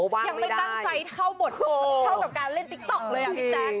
ยังไม่ตั้งใจเท่าบทเท่ากับการเล่นติ๊กต๊อกเลยอ่ะพี่แจ๊ค